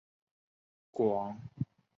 广东绣球为绣球花科绣球属下的一个种。